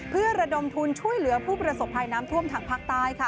เพื่อระดมทุนช่วยเหลือผู้ประสบภัยน้ำท่วมทางภาคใต้ค่ะ